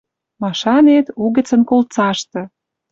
Машанет, угӹцӹн колцашты.